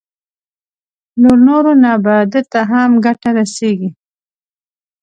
له نورو نه به ده ته هم ګټه رسېږي.